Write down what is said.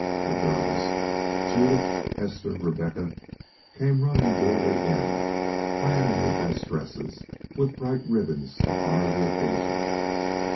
The girls, Judith, Esther, Rebecca, came running gayly in, clad in their best dresses, with bright ribbons to honor the occasion.